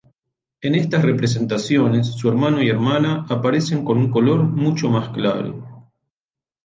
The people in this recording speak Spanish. En esas representaciones, su hermano y hermana aparecen con un color mucho más claro.